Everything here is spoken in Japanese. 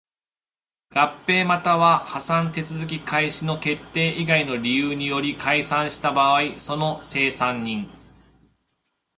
合併又は破産手続開始の決定以外の理由により解散した場合その清算人